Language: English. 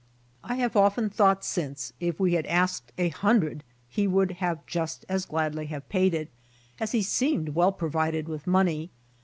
I have often thought since if we had asked a hundred he would have just as gladly have paid it, as he seemed well provided Y\ith money.